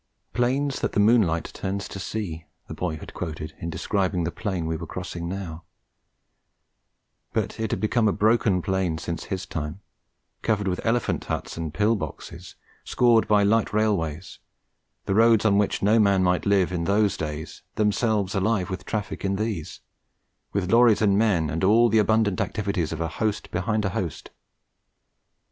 'Plains that the moonlight turns to sea,' the boy had quoted in describing the plain we were crossing now; but it had become a broken plain since his time; covered with elephant huts and pill boxes, scored by light railways; the roads on which no man might live in those days, themselves alive with traffic in these, with lorries and men and all the abundant activities of a host behind a host.